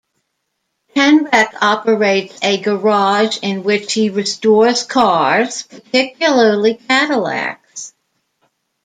Tenrec operates a garage in which he restores cars, particularly Cadillacs.